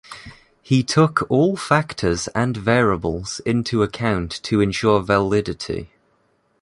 He took all factors and variables into account to ensure validity.